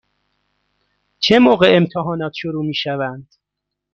چه موقع امتحانات شروع می شوند؟